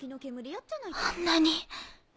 あんなに。